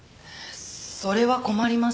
それは困ります。